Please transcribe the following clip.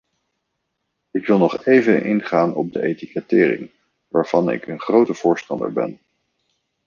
Ik wil nog even ingaan op de etikettering, waarvan ik een grote voorstander ben.